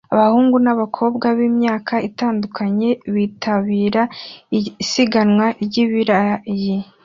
Abahungu n'abakobwa b'imyaka itandukanye bitabira isiganwa ry'ibirayi